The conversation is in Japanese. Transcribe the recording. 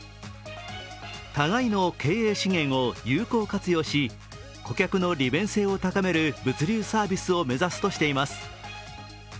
互いの経営資源を有効活用し、顧客の利便性を高める物流サービスを目指すとしています。